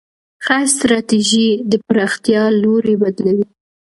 ښه ستراتیژي د پراختیا لوری بدلوي.